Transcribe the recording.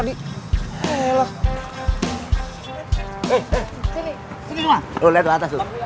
liat tuh atas lu